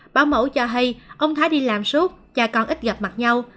báo mẫu cho hay ông thái đi làm suốt cha con ít gặp mặt nhau